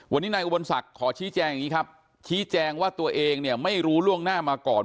วันนี้นายอุบลศักดิ์ขอชี้แจงอย่างนี้ครับชี้แจงว่าตัวเองเนี่ยไม่รู้ล่วงหน้ามาก่อน